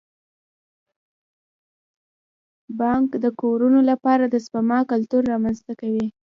بانک د کورنیو لپاره د سپما کلتور رامنځته کوي.